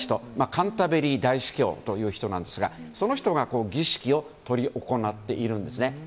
カンタベリー大主教という人ですがその人が儀式を執り行っているんですね。